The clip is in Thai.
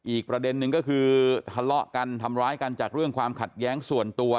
อีกประเด็นนึงก็คือทะเลาะกันทำร้ายกันจากเรื่องความขัดแย้งส่วนตัว